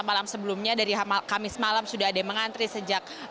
malam sebelumnya dari kamis malam sudah ada yang mengantri sejak